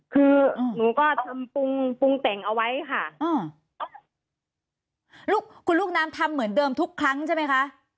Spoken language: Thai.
คือหนูก็ทำปรุงปรุงแต่งเอาไว้ค่ะลูกคุณลูกน้ำทำเหมือนเดิมทุกครั้งใช่ไหมคะ